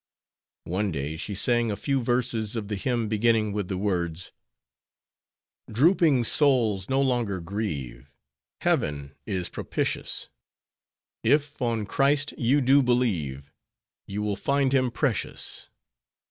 One day she sang a few verses of the hymn beginning with the words "Drooping souls no longer grieve, Heaven is propitious; If on Christ you do believe, You will find Him precious."